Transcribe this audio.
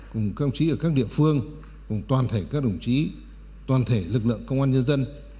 cùng các đồng chí ở các địa phương cùng toàn thể các đồng chí toàn thể lực lượng công an nhân dân